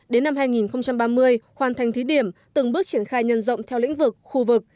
đến năm hai nghìn ba mươi hoàn thành thí điểm từng bước triển khai nhân rộng theo lĩnh vực khu vực